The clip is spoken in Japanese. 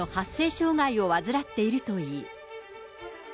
障害を患っているといい。